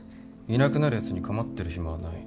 いなくなるやつに構ってる暇はない。